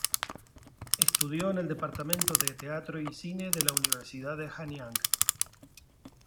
Estudió en el departamento de teatro y cine de la Universidad de Hanyang.